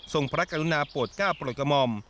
ทรงพระการุณาโปรดก้าวโปรดกมม